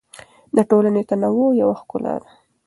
د ټولنې تنوع یو ښکلا ده.